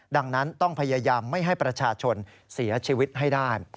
ดังนั้นต้องพยายามไม่ให้ประชาชนเสียชีวิตให้ได้